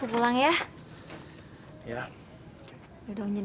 hei kamuziehen lagi kan ga ada yang berani